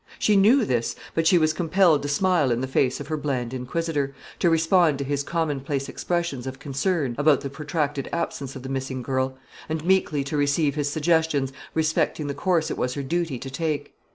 She knew this; but she was compelled to smile in the face of her bland inquisitor, to respond to his commonplace expressions of concern about the protracted absence of the missing girl, and meekly to receive his suggestions respecting the course it was her duty to take.